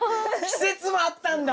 季節もあったんだ。